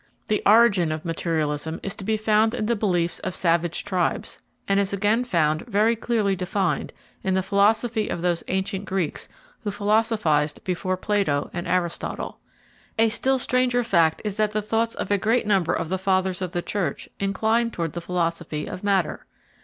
The origin of materialism is to be found in the beliefs of savage tribes, and is again found, very clearly defined, in the philosophy of those ancient Greeks who philosophized before Plato and Aristotle. A still stranger fact is that the thoughts of a great number of the Fathers of the Church inclined towards the philosophy of matter.